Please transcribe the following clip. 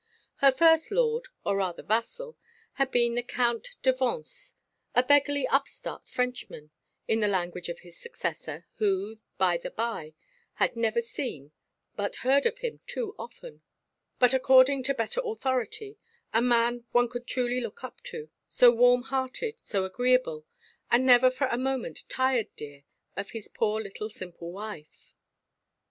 Her first lord, or rather vassal, had been the Count de Vance—"a beggarly upstart Frenchman," in the language of his successor, who, by–the–by, had never seen, but heard of him too often; but, according to better authority, "a man one could truly look up to; so warm–hearted, so agreeable; and never for a moment tired, dear, of his poor little simple wife."